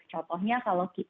contohnya kalau kita